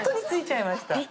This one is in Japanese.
付いちゃいました。